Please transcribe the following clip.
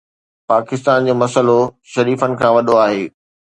پاڪستان جو مسئلو شريفن کان وڏو آهي.